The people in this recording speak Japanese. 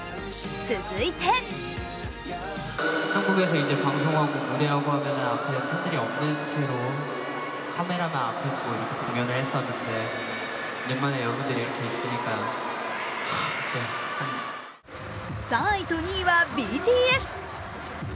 続いて３位と２位はＢＴＳ。